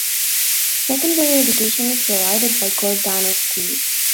Secondary education is provided by Gordano School.